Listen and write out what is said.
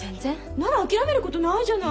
なら諦めることないじゃない！